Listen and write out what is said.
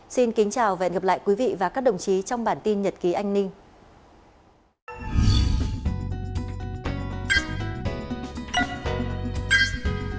xin kính chào và hẹn gặp lại quý vị và các đồng chí trong bản tin nhật ký an ninh